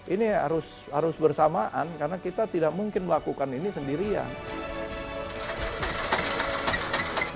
ini harus bersamaan karena kita tidak mungkin melakukan ini sendirian